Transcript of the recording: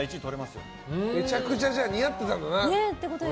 じゃあ、めちゃくちゃ似合ってたんだな。